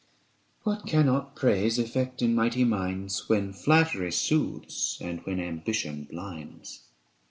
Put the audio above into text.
(What cannot praise effect in mighty minds, When flattery soothes and when ambition blinds?